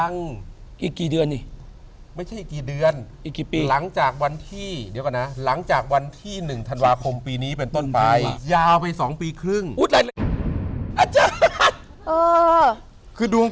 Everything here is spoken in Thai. ในห้วงประมาณวันที่๑ธันวาคมปี๒๖๐ไป๒ปีครึ่ง